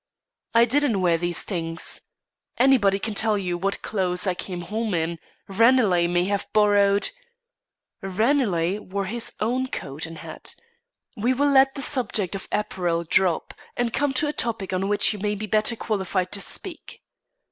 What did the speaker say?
"I didn't wear the things. Anybody can tell you what clothes I came home in. Ranelagh may have borrowed " "Ranelagh wore his own coat and hat. We will let the subject of apparel drop, and come to a topic on which you may be better qualified to speak.